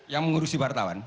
yang mengurusi wartawan